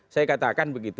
saya katakan begitu